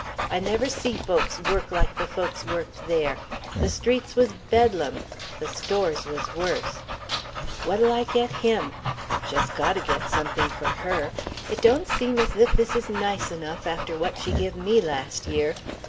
I never see folks work like the folks worked there. The streets was Bedlam. The stores was worse. 'What'll I get him?...' 'I've just got to get something for her....' 'It don't seem as if this is nice enough after what she give me last year....'